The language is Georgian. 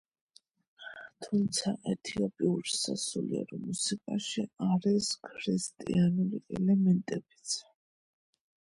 თუმცა, ეთიოპიურ სასულიერო მუსიკაში არის ქრისტიანული ელემენტებიც.